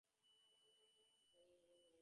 আমি ব্যাঙকে চুমো দেবো।